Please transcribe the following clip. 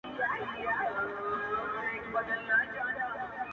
مګر دده شاوخوا پرته دده له نیکه